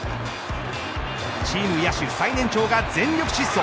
チーム野手最年長が全力疾走。